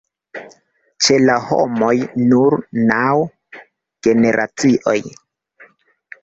Ĉe la homoj nur naŭ generacioj.